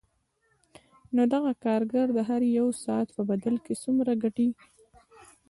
نو دغه کارګر د هر یوه ساعت په بدل کې څومره ګټي